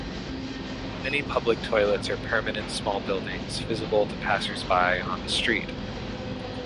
Many public toilets are permanent small buildings visible to passers-by on the street.